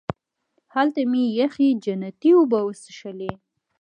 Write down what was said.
هلته مې یخې جنتي اوبه وڅښلې.